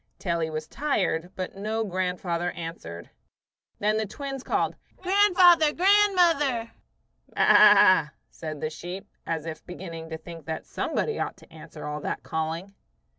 till he was tired; but no grandfather answered. Then the twins called, "Grandfather! Grandmother!" "Baa," said the sheep, as if beginning to think that somebody ought to answer all that calling.